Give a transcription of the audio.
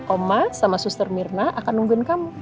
oma sama suster mirna akan nungguin kamu